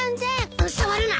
触るな！